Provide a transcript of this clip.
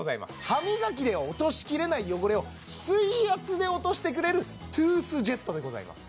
歯磨きでは落としきれない汚れを水圧で落としてくれるトゥースジェットでございます